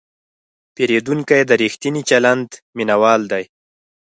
پیرودونکی د ریښتیني چلند مینهوال دی.